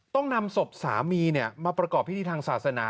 ต้องนำศพสามีมาประกอบพิธีทางศาสนา